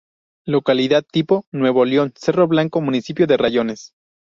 Localidad tipo: Nuevo León: Cerro Blanco, municipio de Rayones.